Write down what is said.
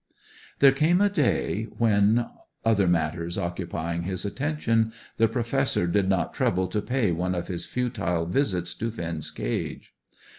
There came a day when, other matters occupying his attention, the Professor did not trouble to pay one of his futile visits to Finn's cage.